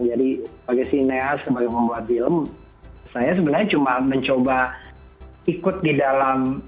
jadi sebagai sinerga sebagai pembuat film saya sebenarnya cuma mencoba ikut di dalam